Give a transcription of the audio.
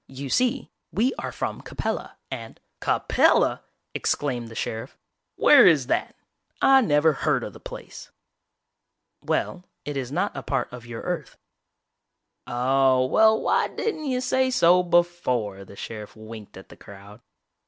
You see, we are from Capella and " "Capella!" exclaimed the sheriff. "Where is that? I never heard of the place." "Well, it is not a part of your Earth." "Oh, well why didn't you say so before!" The sheriff winked at the crowd.